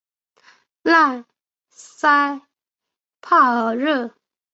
莱塞帕尔热。